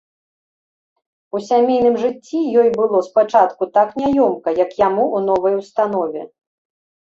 У сямейным жыцці ёй было спачатку так няёмка, як яму ў новай установе.